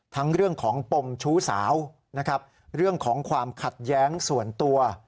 ทั้งเรื่องของปมชู้สาวนะครับเรื่องของความขัดแย้งส่วนตัว